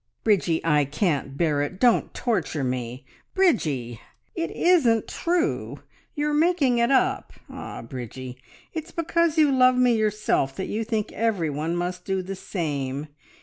"Bridgie, I can't bear it! Don't torture me, Bridgie. ... It isn't true! You are making it up. Ah, Bridgie, it's because you love me yourself that you think every one must do the same!